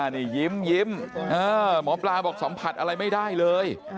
นี่ยิ้มหมอปลาบอกสัมผัสอะไรไม่ได้เลย